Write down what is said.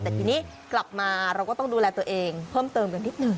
แต่ทีนี้กลับมาเราก็ต้องดูแลตัวเองเพิ่มเติมกันนิดหนึ่ง